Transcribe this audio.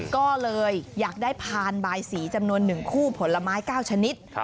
ก็เลยอยากได้พานบายสีจำนวน๑คู่ผลไม้๙ชนิด